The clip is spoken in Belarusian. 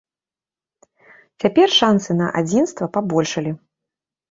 Цяпер шансы на адзінства пабольшалі.